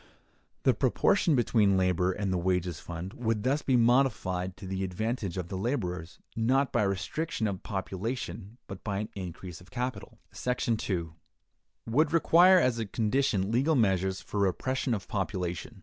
The proportion between labor and the wages fund would thus be modified to the advantage of the laborers, not by restriction of population, but by an increase of capital. § 2. —Would Require as a Condition Legal Measures for Repression of Population.